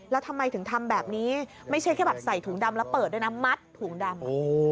แล้วทำไมถึงทำแบบนี้ไม่ใช่แค่แบบใส่ถุงดำแล้วเปิดด้วยนะมัดถุงดำ